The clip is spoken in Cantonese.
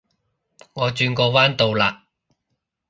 我轉個彎到啦